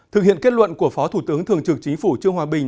thực hiện kết luận của phó thủ tướng thường trực chính phủ trương hòa bình